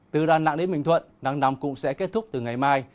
từ đà nẵng đến bình thuận đăng năm cũng sẽ kết thúc từ ngày mai